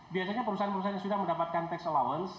biasanya perusahaan perusahaan yang sudah mendapatkan tax allowance